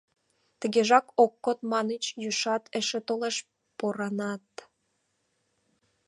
Тыгежак ок код, маньыч, йӱштат эше толеш, поранат.